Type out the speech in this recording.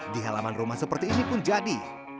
di halaman rumah seperti ini pun jadi